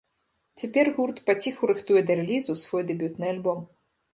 Цяпер гурт паціху рыхтуе да рэлізу свой дэбютны альбом.